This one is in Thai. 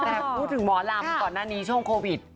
แต่พูดถึงหมอลำก่อนหน้านี้ช่วงโควิด